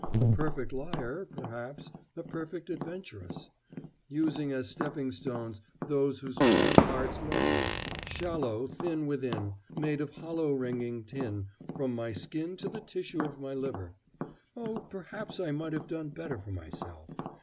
A perfect liar, perhaps; a perfect adventuress; using as stepping stones those whose fond hearts love me; shallow, thin within; made of hollow ringing tin from my skin to the tissue of my liver. Oh, perhaps I might have done better for myself!